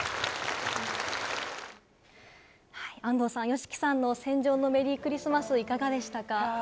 安藤さん、ＹＯＳＨＩＫＩさんの『戦場のメリークリスマス』、いかがでしたか？